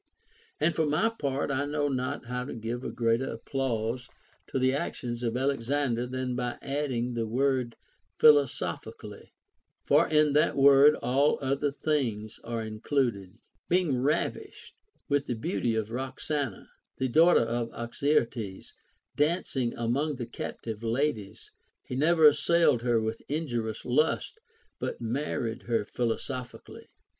And for my part, I know not how to give a greater applause to the actions of Alexander, than by adding the word " philo sophically," for in that word all other things are included. Being ravished with the beauty of Roxana, the daughter of Oxyarthes, dancing among the captive ladies, he never assailed her with, injurious lust, but married her philosophi cally.